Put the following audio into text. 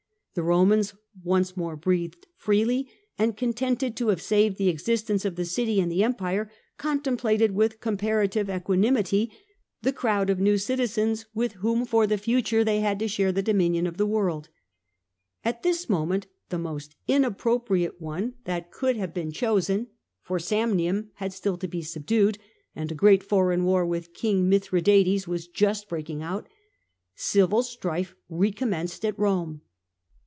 The Romans once more breathed freely, and, contented to have saved the existence of the city and the empire, con templated with comparative equanimity the crowd of new citizens with whom for the future they had to share the dominion of the world. At this momentj the most inappropriate one that could 112 FROM THE GRACCHI TO SULLA have been chosen — for Samninm had still to be subdued, and a great foreign war with King Mithradates was just breaking out — civil strife recommenced at Rome.